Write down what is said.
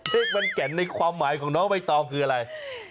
มันแก่นในความหมายของน้องใบตองคืออะไร